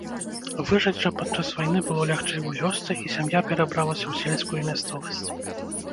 Выжыць жа падчас вайны было лягчэй у вёсцы, і сям'я перабралася ў сельскую мясцовасць.